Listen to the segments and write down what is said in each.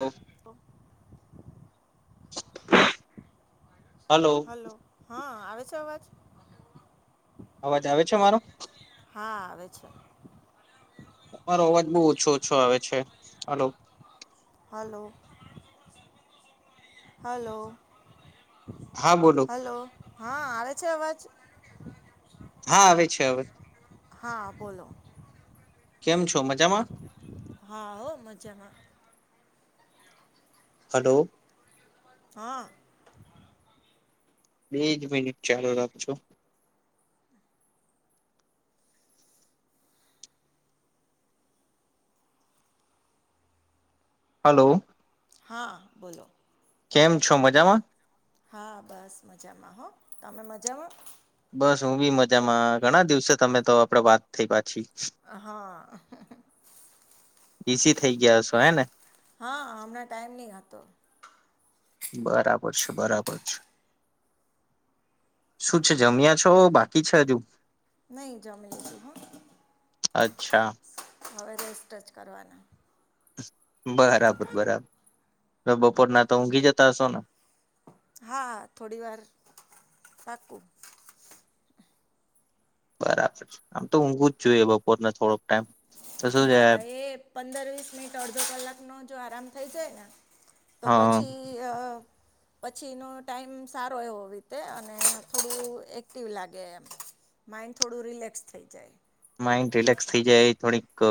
ઓ hello હા આવે છે અવાજ. અવાજ આવે છે મારો. હા આવે છે. તમારો અવાજ બહુ ઓછો ઓછો આવે છે હલો. હલો. હલો હા બોલો હલો. હા આવે છે અવાજ. હા આવે છે હવે. હા બોલો. કેમ છો મજામાં. હા હો મજામાં. હલો. હ અ. બેજ મિનિટ ચાલુ રાખજો. હલો. હા બોલો. કેમ છો મજામાં. હા બસ મજામાં હો તમે મજામાં. બસ હું બી મજામાં ઘણા દિવસે તમે તો આપડે વાત થઈ પાછી. અ હા. બીસી થઈ ગ્યા હસો હે ને. હા હમણાં ટાઈમ ની હતો. બરાબર છે. બરાબર છે. શું છે જમ્યા છો બાકી છે હજુ? નહી જમી લીધું. અચ્છા. હવે રસ્ટ્ટચ કરવાના. બરાબર બરાબર હ બપોરના તો ઊંઘી જતા હશો ને? હા થોડી વાર પાકું. બરાબર છે. આમ તો ઊંઘું જ જોઈએ. બપોરના થોડો હા એ પંદર વીસ મિનિટ અડધો કલાક નો જો આરામ થઈ જાય ને તો હા પછી પછીનો ટાઈમ સારો એવો રીતે અને થોડું એક્ટિવ લાગે એમ. માઇન્ડ થોડું રિલેક્સ થઈ જાય. માઇન્ડ રિલેક્સ થઈ જાય. થોડીક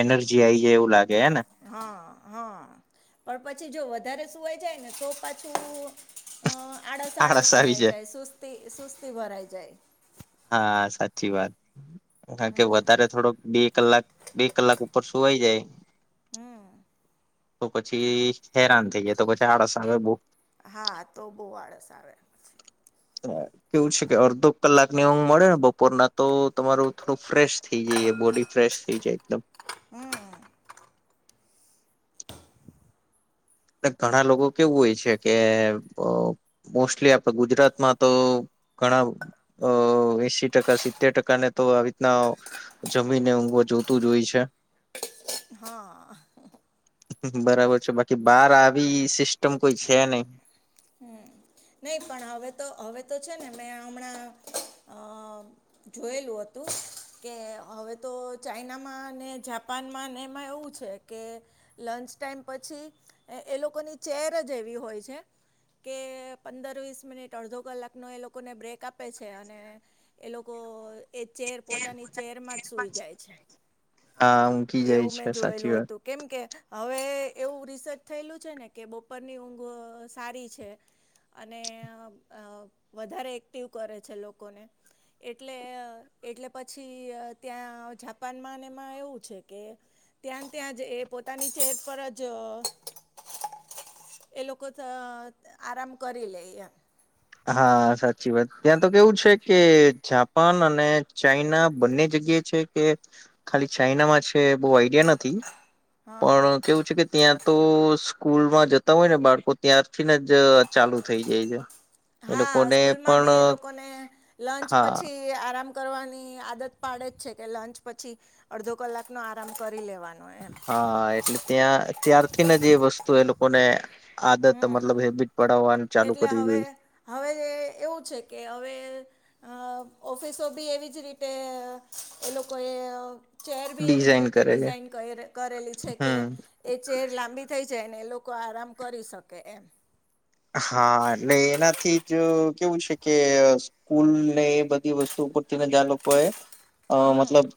એનર્જી આઈ જાય એવું લાગે. હે ને હા. હા પણ પછી જો વધારે સુવાઈ જાય. ને તો પાછું આડસ આળસ ભરાઈ જાય. સુસ્તી સુસ્તી ભરાઈ જાય. હા સાચી વાત. કારણ કે વધારે થોડોક બે કલાક બે કલાક ઉપર સુવાઈ જાય. હમ. તો પછી હેરાન થઈ જાય. તો પછી આળસ આવે બહ હા તો બહુ આળસ આવે. કેવું છે. કે અર્ધો કલાકની ઊઘ મળે ને બપોરના તો તમારું થોડું ફ્રેશ થઇ જાય. બોડી ફ્રેશ થઈ જાય એકદમ. હમ. ઘણા લોકો કેવું હોય છે. કે મોસ્ટલી આપડ ગુજરાતમાં તો ઘણા અ એસી ટકા સિત્તેર ટકાને તો આવી રીતના જમીન જોતું જોય છે. હા. બરાબર છે. બાકી કે બહાર આવી સિસ્ટમ કોઈ છે નહી. નહી પણ હવે તો હવે તો છે. ને મેં હમણાં અ જોયેલું હતું. કે હવે તો ચાઈનામાં જાપાન એમાં એવું છે. કે લંચ ટાઈમ પછી એ લોકોની ચેર જ એવી હોય છે. કે પંદર વીસ મિનિટ અડધો કલાકનો એ લોકોને બ્રેક આપે છે. અને એ લોકો એ ચેર પોતાની ચેરમાં જ સુઈ જાય છે. હા કી જાય એવું મેં છે. સાચી જોયેલું વાત. હતું કેમ કે હવે એવું રિસર્ચ થયેલું છે. ને કે બપોરની ઊંઘ સારી છે. અને વધારે એક્ટિવ કરે છે. લોકોને એટલે એટલે પછી ત્યાં જાપાન માં એમાં એવું છે. કે ત્યાં ત્યાં જ એ પોતાની ચેર પર જ એ લોકો આરામ કરી લે એમ. હા સાચી વાત ત્યાં તો કેવું છે. કે જાપાન અને ચાઈના બંને જગ્યા કે ખાલી ચાઈનામાં છે. બહ આઈડિયા નથી. હા પણ કેવું છે. કે ત્યાં તો સ્કૂલમાં જતા હોય ને બાળકો ત્યારથીને જ ચાલુ થઈ જાય છે. એ હા લોકોને સ્કૂલમાં પણ બી એ લોકોને લંચ હા પછી આરામ કરવાની આદત પાડે જ છે. કે લંચ પછી અડધો કલાકનો આરામ કરી લેવાનો. એમ હા એટલે ત્યાં ત્યારથીને જે એ વસ્તુ એ લોકોને આદત હમ મલબ હેબિટ પડ એટલે હવે હવે એવું છે કે હવે ઓફિસો બી એવી જ રીતે એ લોકોએ ચેર બી એવી જ ડિઝાઇન રીતે કરે છે ડિઝાઇન કર કરેલી છે કે હમ એ ચેર લાંબી થઈ જાય ને એ લોકો લોકો આરામ કરી શકે એમ હા એટલે એનાથી જ કેવું છે કે સ્કૂલ ને એ બધી વસ્તુ [unintelligible] રને જ્યાં લોકો એ મતલબ હમ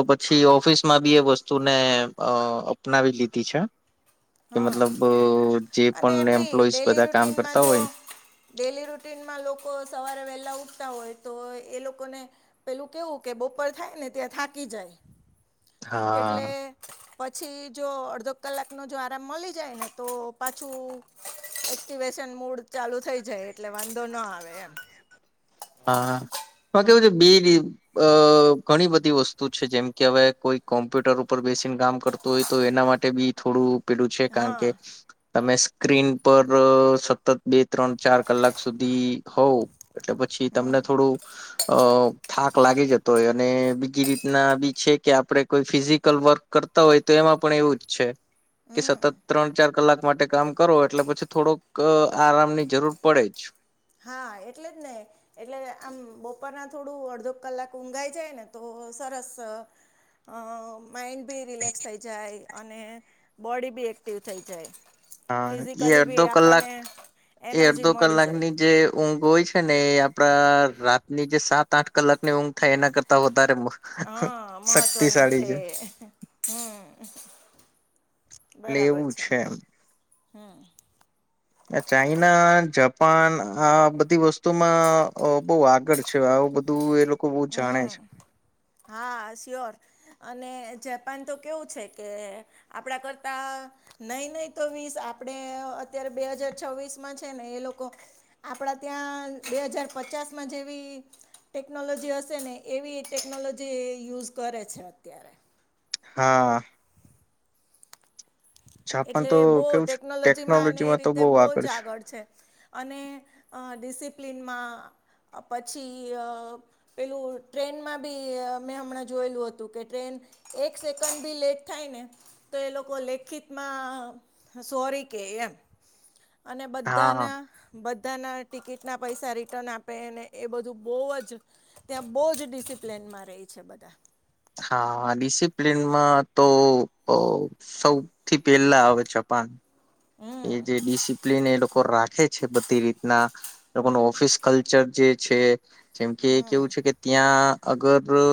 અ પછી ઓફિસમાં બી એ વસ્તુને અ અપનાવી લીધી છે. કે હા મતલબ જે પણ એમ્પ્લોઈઝ ડલી રૂન જો ડેલી રૂનમાં લોકો સવારે વ પ ઉઠતા હોય તો એ લોકોને પેલું કેવું કે બપર થાય ને ત્યાં થાકી જાય. એટલે હા પછી જો અડધો કલાક નો જો આરામ મળી જાય ને તો પાછું એક્ટ મૂડ ચાલુ થઈ જાય એટલે વાંધો ના આવે એમ. હા હ કેવું છે બે અ ઘણી બધી વસ્તુ છે જેમ કે હવે કોઈ કોમ્પ્યુટર ઉપર બે કામ કરતો હોય તો એના માટે બી થોડું પેડું છે કારણ હા કે તમે સ્ક્રીન પર સતત બે ત્રણ ચાર કલાક સુધી હોવ એટલે પછી હમ તમને થોડું અ થાક લાગી જતો હોય અને બીજી રીતના બી છે કે આપડણે કોઈ ફિઝિકલ વર્ક કરતા હોય તો એમાં પણ એવું જ છે કે હમ સતત ત્રણ ચાર કલાક માટે કામ કરો એટલે પછી થોડોક આરામ ની જરૂર પડે જ. હા એટલે જ ને એટલે આમ બપોર ના થોડું અડધો કલાક ઊંઘાઈ જાય ને તો સરસ. માઇન્ડ બી રિલેક્સ થઈ જાય અને બોડી બી એક્ટિવ થઈ જાય. હા એ ફિઝિકલી અડધો બી કલાક આપણને એ એનર્જી અડધો મળી જાય કલાકની જે ઊંઘ હોય છે ને એ આપડા રાતની જે સાત આઠ કલાક ની ઊંઘ થાય એના કરતા ધર્મ હા મહત્વની શક્તિશાળી છે. હમ લેવું છે એમ. હમ. ચાઈના જાપાન આ બધી વસ્તુમાં બહુ આગળ છે. બધું એ બહુ જાણે છે હમ હા સ્યોર અને જાપાન તો કેવું છે કે આપડા કરતા નહી નહી તો વીસ આપણે અત્યારે બે હજાર જ છવીસ માં છે ને એ લોકો આપડા ત્યાં બે હજાર પચાસ માં જેવી ટેકનોલોજી હશે ને એવી ટેકનોલોજી યુઝ કરે છે અત્યારે. હા જાપાન એટલે તો બહુ કેવું છે ટેકનોલોજીમાં એ તો રીતે બહુ જ આગળ છે અને ડિસિ પ્લિનમાં પછી પેલું ટ્રેનમાં બી મેં હમણાં જોયેલું હતું કે ટ્રેન એક સેકન્ડ ભી લેટ થાય ને તો એ લોકો લેખિત સોરી કે એમ અને હા બધાના બધાના ટિકિટના પૈસા રિટર્ન આપે ને એ બધું બહુ જ ત્યાં બહુ જ ડિસિપ્લિન રહી છે બધા. હા ડિસિપ્લનમાં તો સૌથી પેલા આવે છે આપડ હમ એ જે ડિસિપ્લન એ લોકો રાખે છે બધી રીતના લોકોનું ઓફિસ કલ્ચર જે છે. જેમ કે હમ કેવું છે કે ત્યાં અગર અ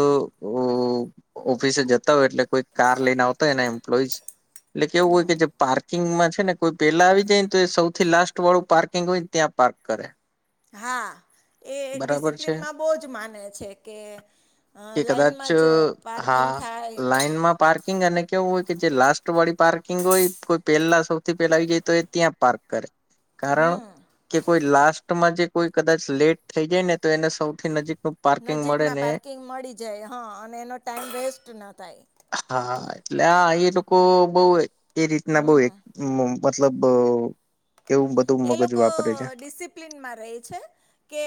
ઓફિસે જતા હોય એટલે કોઈ કાર લઈને આવતા હોય એ એમ્પ્લોઈ એટલે કેવું હોય હમ કે જે પાર્ક પાર્કિંગમાં છે ને કોઈ પેલા આવી જાયને તો એ સૌથી લાસ્ટ વાળું પાર્કિંગ હોયને ત્યાં પાર્ક કરે. હા એ બરાબર છે ડિસિપ્લિનમાં બહુ જ માને છે કે અ કે કદાચ લાઈનમાં જ પાર્કિંગ હા થાય લાઈનમાં પાર્ક પાર્કિંગ અને કેવું હોય કે જે લાસ્ટ વાળી પાર્કિંગ હોય કોઈ પહેલા સૌથી પેલા આવી જાય તો એ ત્યાં પાર્ક કરે. કારણ હમ કે કોઈ લાસ્ટમાં જે કોઈ કદાચ લેટ થઈ જાય ને તો એને સૌથી નજીક નુ પાર્કિંગ મળે ને જ હા અને એનો ટાઈમ વેસ્ટ ન થાય. હા એટલે આ એ લોકો બઉ એ રીતના બઉ હમ એક મતલબ એવું બધું એ મગજ લોકો વાપરે છે ડિસિપ્લનમાં રહે છે કે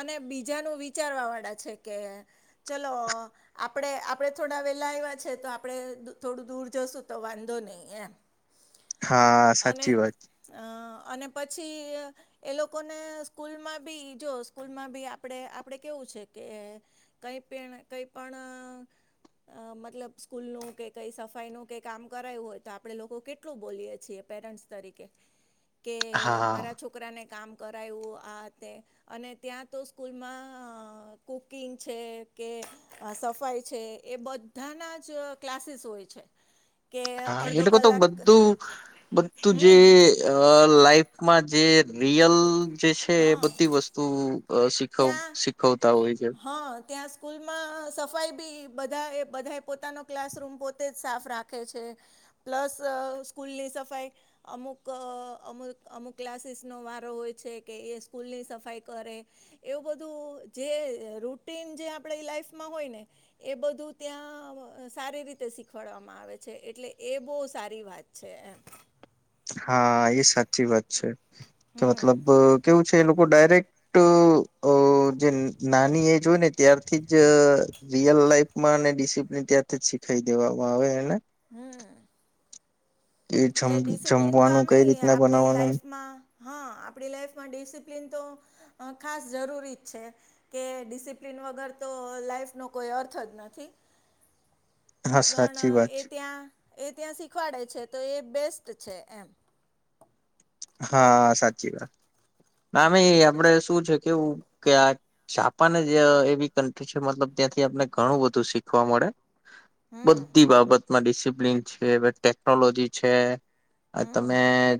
અને બી જયાનું વિચારવા વાળા છે કે ચલો આપણે આપણે થોડા વેલા આવ્યા છે તો આપડે થોડું દૂર જશું તો વાંધો નહી એમ. હા સાચી અને વાત અ અને પછી એ લોકોને સ્કૂલમાં બી જો સ્કૂલમાં ભી આપડે આપડે કેવું છે કે કૈપેણ કૈપણ અ મતલબ સ્કૂલ નું કે કઈ સફાઈ નું કે કામ કરાયું હોય તો આપડે લોકો કેટલું બોલીય છીએ. પેરેન્ટ્સ તરીકે કે હા મારા છોકરાને કામ કરાવ્યું આ તે અને ત્યાં તો સ્કૂલમાં કુકિંગ છે કે સફાઈ છે એ બધાનાજ ક્લાસીસ હોય છે. કે હા, એ અડધો લોકો તો કલાક બધું બધું જે હમ લાઈફ માં જે રિયલ જે છે એ હા બધી વસ્તુ અ શીખવ ત્યાં શીખવતા હોય છે. હા ત્યાં [unintelligible] સ્કૂલમાં સફાઈ બી બધા એ બધા પોતાનો ક્લાસરૂમ પોતે જ સાફ રાખે છે, પ્લસ સ્કૂલની સફાઈ અમુક અમુક અમુક ક્લાસીસનો વારો હોય છે કે એ સ્કૂલની સફાઈ કરે એવું બધું. જે રુટીન જે આપડે લાઈફમાં હોય ને એ બધું ત્યાં સારી રી તે શીખવાડવામાં આવે છે, એટલે એ બહ સારી વાત છે એમ હા, એ સાચી વાત છે કે હમ મતલબ કેવું છે એ લોકો ડાયરેક્ટ જે નાની એજ હોય ને ત્યારથી જ રિયલ લાઈફમાં ડિસિપ્લિન ત્યાંથી જ શીખાઈ દેવામાં આવે એને હમ્મ. કે જમ જમવાનું કઈ આમેય રીતના આપણી બનાવવાનું. લાઈફમાં હા આપણી લાઈફમાં ડિસિપ્લિન તો ખાસ જરૂરીજ છે કે ડિસિપ્લિન વગર તો તો લાઈફ નો કોઈ અર્થ જ નથી. [unintelligible] સાચી પણ વાત એ છે ત્યાં એ ત્યાં શીખવાડે છે. તો એ બેસ્ટ છે, એમ હા સાચી વાત ના મે હમ આપડે શું છે કેવું કે આ જાપાનજ એવી કન્ટ્રી છે મલબ ત્યાંથી આપને ઘણું બધું શીખવા મળે. હમ બધી બાબતમાં ડિસિપ્લિન છે ટેકનોલોજી છે. હ હમ તમે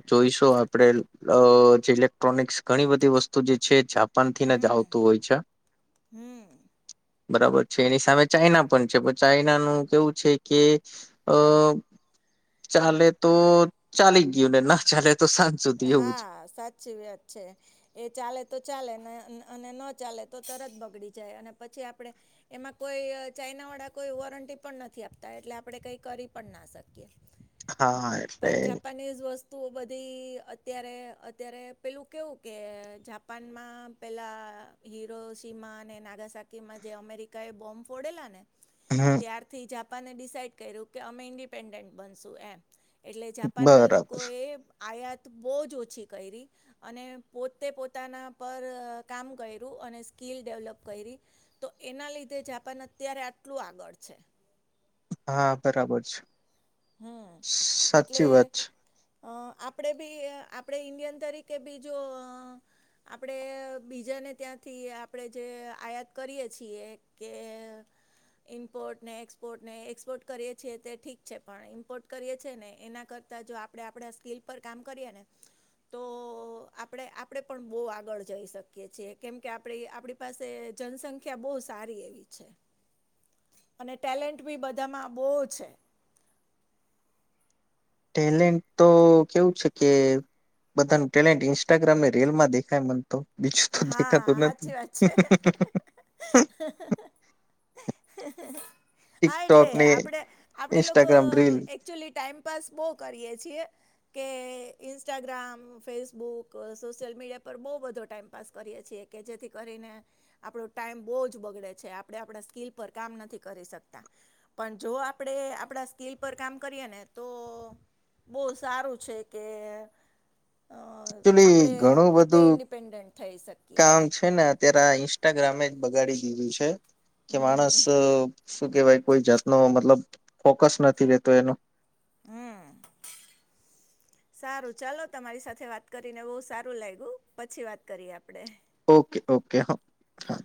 જોઈશો. આપડે અ જે ઇલેક્ટ્રોનિકસ ઘણી બધી વસ્તુ જે છે. પાન થીને જ હમ આવતું હોય છે. હમ બરાબર છે એની સામે ચાઈના પણ છે પણ ચાઈનાનું કેવું છે, કે અ ચાલે તો ચાલી જ ગયું ને ના ચાલે તો સાંજ સુધી એવું છે. હા, સાચી વાત છે એ ચાલે તો ચાલેને અને ન ચાલે તો તરત બગડી જાય અને પછી આપણે એમાં કોઈ ચાઇનાવાળા કોઈ વોરંટી પણ નથી આપતા એટલે આપણે કઈ કરી પણ ના શકીએ. હા એટલે પણ જાપાનીઝ વસ્તુઓ બધી અત્યારે અત્યારે પેલું કેવું કે જાપાનમાં પેલા હીરો સીમાં અને નાગાસાકીમાં જે અમેરિકા એ બોમ્બ ફોડેલાને હમ ત્યારથી જાપાને ડિસાઈડ કર્યું કે અમે ઇન્ડિપેન્ડન્ટ બનશું એમ. એટલે જાપાનના બરાબર લોકોએ આયાત બહુ જ ઓછી કરી અને પોતે પોતાના પર કામ કર્યું અને સ્કિલ ડેવલપ કરી તો એના લીધે જાપાન અત્યારે આટલું આગળ છે. હા બરાબર છે. હમ્મ એટલે સાચી વાત છે અ આપડે બી આપડે ઇન્ડિયન તરીકે બી જો આપણે બીજાને ત્યાંથી આપણે જે આયાત કરીએ છીએ, કે ઇમ્પોર્ટ ને એક્સપોર્ટ ને એક્સપોર્ટ કરીએ છીએ તે ઠીક છે. પણ ઈમ્પોર્ટ કરીએ છીએ ને એના કરતા જો આપણે આપડા સ્કીલ પર કામ કરીએ ને તો આપણે આપડે પણ બહુ આગળ જઈ શકીએ છીએ, કેમ કે આપડી આપણી પાસે જનસંખ્યા બહુ સારી એવી છે. [unintelligible] અને ટેલેન્ટ બી બધામાં બહુ છે ટેલેન્ટ તો કેવું છે કે બધાનું ટેલેન્ટ ઇન્સ્ટાગ્રામ ને રીલ માં દેખાય મ ન તો બીજું તો હા દેખાતો નથી સાચી વાત છે હા એટલે ટિકટોક ને આપડ આપડે લોકો Instagram reel actually time time pass બો કરીય છીએ કે ઇન્સ્ટાગ્રામ ફેસબુક સોશિયલ મીડિયા પર બહુ વધો ટાઈમ પાસ કરીએ છીએ કે જેથી કરીને આપણો ટાઈમ બહુ જ બગડે છે આપડણે આપણા સ્કીલ પર કામ નથી કરીકતા પણ જો આપણેે આપણા સ્કીલ પર કામ કરીએને તો બહ સારું છે કે અ એકચુલી આપણે ઘણું પોતે બધું ઇન્ડિપેન્ડન્ટ થઈ શકીએ કામ એમ છે ને અત્યારે ઇન્સ્ટાગ્રામે જ બગાડી દીધું છે કે માણસ શું કેવાય કોઈ જાતનો મતલબ ફોકસ નથી રેતો એનો સારું ચાલો તમારી સાથે વાત કરીને બહુ સારું લાગ્યું પછી વાત કરીએ આપડે ઓકે ઓકે હા હા